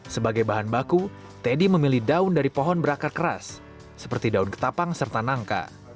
sebagai bahan baku teddy memilih daun dari pohon berakar keras seperti daun ketapang serta nangka